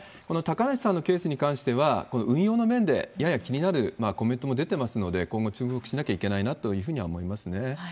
この高梨さんのケースに関しては、この運用の面でやや気になるコメントも出てますので、今後注目しなきゃいけないなというふうには思いますね。